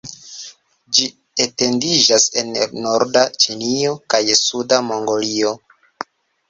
Ĝi etendiĝas en norda Ĉinio kaj suda Mongolio.